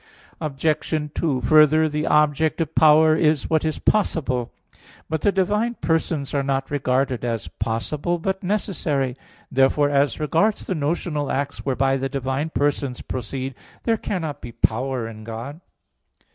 Obj. 2: Further, the object of power is what is possible. But the divine persons are not regarded as possible, but necessary. Therefore, as regards the notional acts, whereby the divine persons proceed, there cannot be power in God.